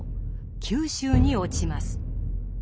九州に落ちます。